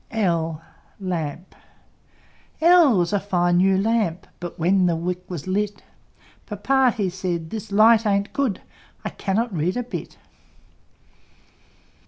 L L was a fine new Lamp; But when the wick was lit, Papa he said, "This Light ain't good! I cannot read a bit!"